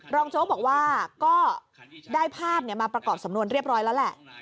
โจ๊กบอกว่าก็ได้ภาพมาประกอบสำนวนเรียบร้อยแล้วแหละ